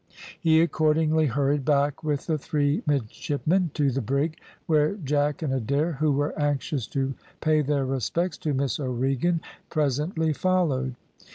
He accordingly hurried back with the three midshipmen to the brig, where Jack and Adair, who were anxious to pay their respects to Miss O'Regan, presently followed.